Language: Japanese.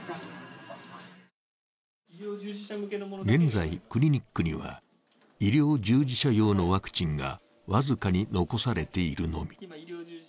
現在、クリニックには医療従事者用のワクチンが僅かに残されているのみ。